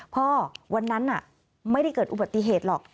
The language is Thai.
วันนั้นไม่ได้เกิดอุบัติเหตุหรอก